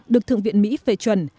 được thượng viện mỹ phê chuẩn